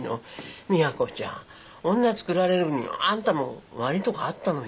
都ちゃん女つくられるにはあんたも悪いとこあったのよ。